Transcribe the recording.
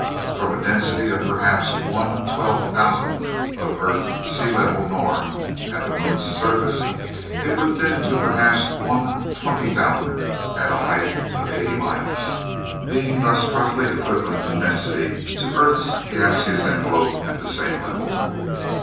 From a density of perhaps 1/12,000th of Earth's sea level norm at the Moon's surface, it would thin to perhaps 1/20,000th at a height of eighty miles, being thus roughly equivalent in density to Earth's gaseous envelope at the same level!